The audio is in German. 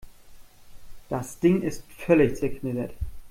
Das Ding ist völlig zerknittert.